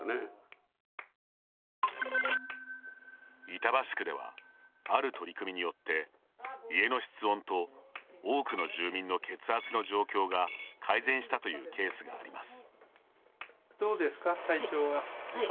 板橋区ではある取り組みによって家の室温と多くの住民の血圧の状況が改善したというケースがあります。